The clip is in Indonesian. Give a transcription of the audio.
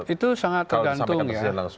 itu sangat tergantung ya